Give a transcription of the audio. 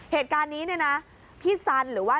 เหตุการณ์นี้พี่ซันหรือว่า